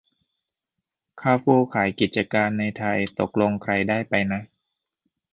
คาร์ฟูร์ขายกิจการในไทย ตกลงใครได้ไปนะ